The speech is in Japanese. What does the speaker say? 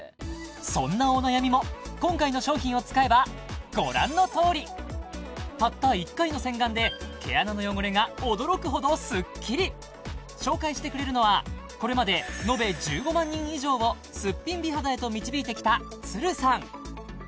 そんなお悩みも今回の商品を使えばご覧のとおりたった１回の洗顔で毛穴の汚れが驚くほどスッキリ紹介してくれるのはこれまでのべ１５万人以上をスッピン美肌へと導いてきたさん